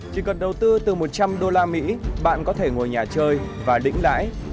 chỉ cần đầu tư từ một trăm linh usd bạn có thể ngồi nhà chơi và lĩnh lãi